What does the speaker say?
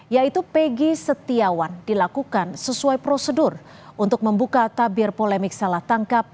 yaitu pegi setiawan dilakukan sesuai prosedur untuk membuka tabir polemik salah tangkap